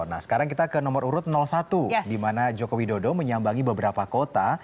nah sekarang kita ke nomor urut satu dimana jokowi dodo menyambangi beberapa kota